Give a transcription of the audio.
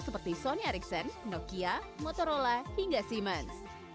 seperti sony ericsson nokia motorola hingga samsung